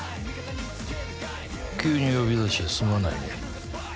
急に呼び出してすまないね